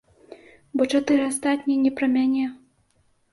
Бо чатыры астатнія не пра мяне.